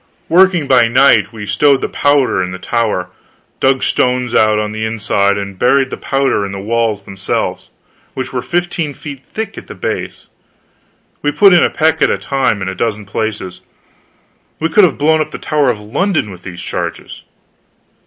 Working by night, we stowed the powder in the tower dug stones out, on the inside, and buried the powder in the walls themselves, which were fifteen feet thick at the base. We put in a peck at a time, in a dozen places. We could have blown up the Tower of London with these charges.